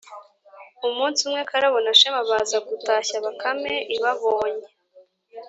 umunsi umwe, karabo na shema baza gutashya, bakame ibabonye,